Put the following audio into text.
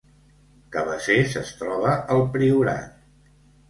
Cabacés es troba al Priorat